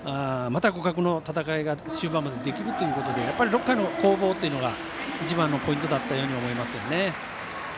また互角の戦いが終盤までできるということで６回の攻防というのが一番のポイントだったように思いますよね。